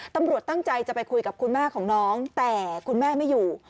ตั้งใจจะไปคุยกับคุณแม่ของน้องแต่คุณแม่ไม่อยู่